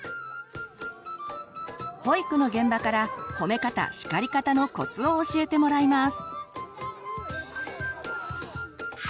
保育の現場から「褒め方・叱り方」のコツを教えてもらいます。